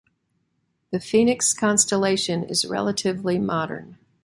The Phoenix constellation is relatively modern.